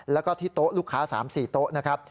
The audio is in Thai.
แล้วก็ที่โต๊ะลูกค้า๓๔โต๊ะนะครับ